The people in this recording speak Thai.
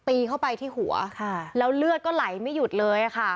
ตีเข้าไปที่หัวแล้วเลือดก็ไหลไม่หยุดเลยค่ะ